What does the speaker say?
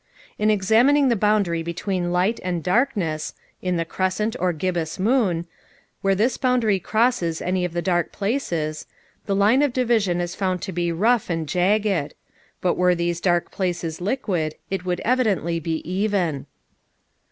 In examining the boundary between light and darkness (in the crescent or gibbous moon) where this boundary crosses any of the dark places, the line of division is found to be rough and jagged; but, were these dark places liquid, it would evidently be even.